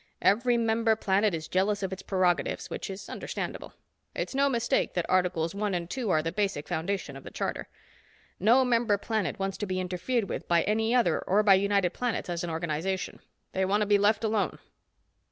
Every member planet is jealous of its prerogatives, which is understandable. It's no mistake that Articles One and Two are the basic foundation of the Charter. No member planet wants to be interfered with by any other or by United Planets as an organization. They want to be left alone.